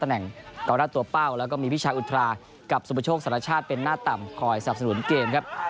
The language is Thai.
แหน่งกองหน้าตัวเป้าแล้วก็มีวิชาอุทรากับสุปโชคสารชาติเป็นหน้าต่ำคอยสนับสนุนเกมครับ